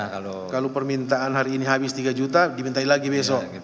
kalau permintaan hari ini habis tiga juta dimintai lagi besok